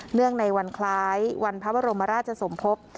เนื่องในวันคล้ายวันพระบรมราชจะสมพบ